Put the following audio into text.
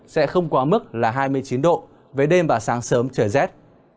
sẽ không quá mức là hai mươi chín độ về đêm và sáng sớm trời rét